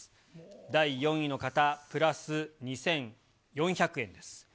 第４位の方、プラス２４００円です。